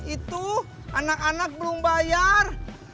itu anak anak belum bayar